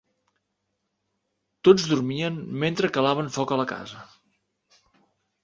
Tots dormien mentre calaven foc a la casa.